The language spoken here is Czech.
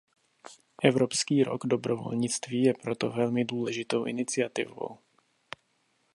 Evropský rok dobrovolnictví je proto velmi důležitou iniciativou.